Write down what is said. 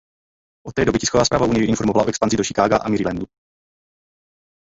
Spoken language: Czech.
Od té doby tisková zpráva unie informovala o expanzi do Chicaga a Marylandu.